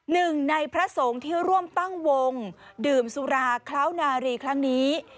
นึงในพระทรงที่ร่วมตั้งวงดื่มสุราคราวนาลีครั้งนี้